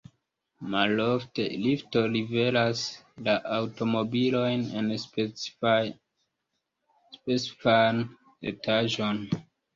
Malofte, lifto liveras la aŭtomobilojn en specifan etaĝon.